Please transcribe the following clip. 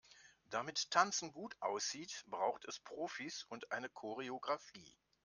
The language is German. Damit Tanzen gut aussieht, braucht es Profis und eine Choreografie.